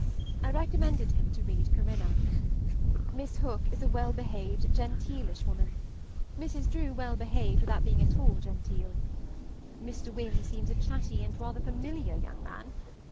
I recommended him to read "Corinna." Miss Hook is a well behaved, genteelish woman; Mrs. Drew well behaved, without being at all genteel. Mr. Wynne seems a chatty and rather familiar young man.